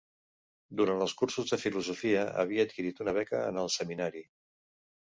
Durant els cursos de Filosofia havia adquirit una beca en el Seminari.